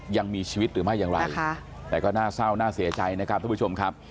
ยังมีชีวิตหรือไม่อย่างไรแต่ก็น่าเศร้าน่าเสียใจนะครับทุกผู้ชมครับ